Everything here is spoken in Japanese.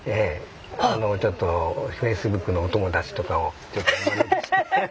ちょっとフェイスブックのお友達とかをお招きして。